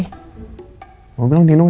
gak lagi usah buat tidur aja